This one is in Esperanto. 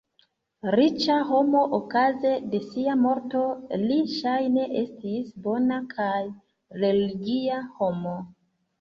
Riĉa homo okaze de sia morto, li ŝajne estis bona kaj religia homo.